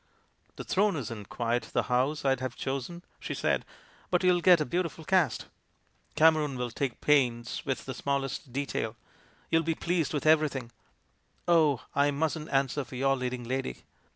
*' 'The Throne isn't quite the house I'd have chosen,' she said, 'but you'll get a beautiful cast; Cameron will take pains with the smallest detail, you'll be pleased with everything Oh! I mustn't answer for your leading lady.'